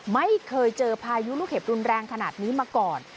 ไม่เคยเจอพายุลูกเห็บรุนแรงขนาดนี้มาก่อน